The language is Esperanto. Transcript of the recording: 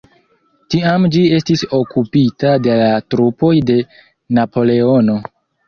Tiam ĝi estis okupita de la trupoj de Napoleono.